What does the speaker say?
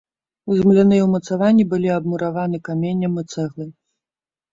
Земляныя ўмацаванні былі абмураваны каменем і цэглай.